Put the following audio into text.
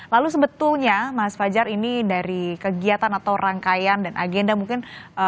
lalu sebetulnya mas fajar ini dari kegiatan atau rangkaian dan agenda mungkin